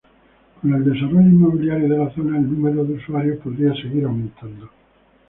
Con el desarrollo inmobiliario de la zona el número de usuarios podría seguir aumentando.